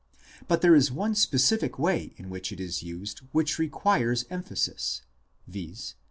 But there is one specific way in which it is used which requires emphasis, viz.